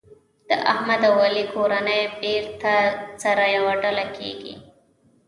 د احمد او علي کورنۍ بېرته سره یوه ډله کېږي.